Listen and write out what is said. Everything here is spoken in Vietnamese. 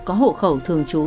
có hộ khẩu thường trú